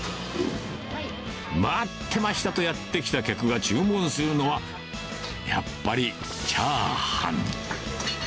待ってましたとやって来た客が注文するのは、やっぱりチャーハン。